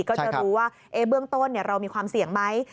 ก็จะรู้ว่าเบื้องต้นเรามีความเสี่ยงไหม